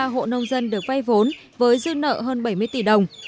hai tám trăm bốn mươi ba hộ nông dân được vay vốn với dư nợ hơn bảy mươi tỷ đồng